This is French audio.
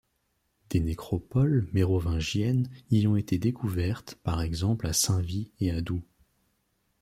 Des nécropoles mérovingiennes y ont été découvertes par exemple à Saint-Vit et à Doubs.